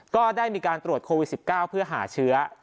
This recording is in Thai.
ก็ได้มีการตรวจโควิด๑๙เพื่อหาเชื้อ